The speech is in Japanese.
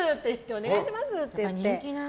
お願いしますって言って。